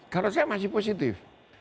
kalau saya masih positif